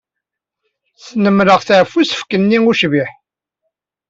Snemmreɣ-t ɣef usefk-nni ucbiḥ.